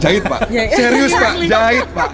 jahit pak serius pak jahit pak